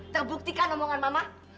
terbuktikan omongan mama